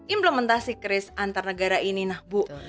implementasi kris antar negara ini nah bu